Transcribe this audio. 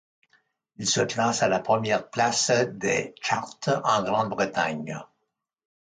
Il se classe à la première place des charts en Grande-Bretagne.